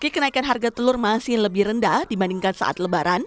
kenaikan harga telur di pasar